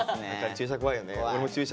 注射怖いよね。